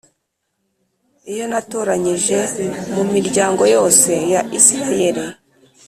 iyo natoranyije mu miryango yose ya isirayeli